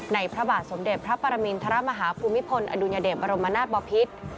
พระบาทสมเด็จพระปรมินทรมาฮาภูมิพลอดุญเดชบรมนาศบอพิษ